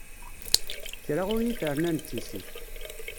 Kra ur yi-t-rnan d tissit.